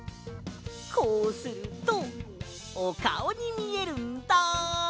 こうするとおかおにみえるんだ！